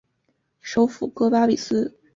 首府戈巴比斯。